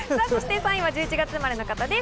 ３位は１１月生まれの方です。